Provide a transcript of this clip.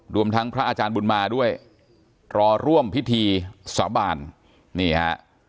รวมทั้งพระอาจารย์บุญมาด้วยรอร่วมพิธีสาบานนี่ฮะ